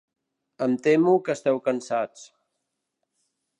Em temo que esteu cansats.